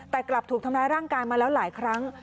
แต่กลับถูกทำร้ายร่างกายมาแล้วหลายครั้ง